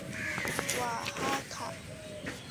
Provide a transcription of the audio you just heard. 瓦哈卡。